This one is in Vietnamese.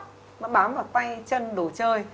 nó bám vào tay chân đồ chơi